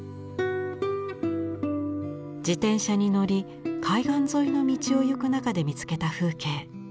自転車に乗り海岸沿いの道を行く中で見つけた風景。